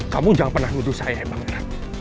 kamu jangan pernah nguju saya pangeran